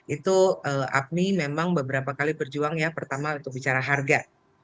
itu apni memang beberapa kali berjuang ya pertama untuk bicara harga